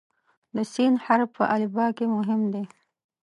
د "س" حرف په الفبا کې مهم دی.